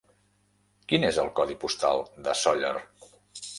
Quin és el codi postal de Sóller?